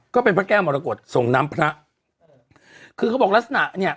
ก็เป็นพระแก้วมรกฏส่งน้ำพระคือเขาบอกลักษณะเนี้ย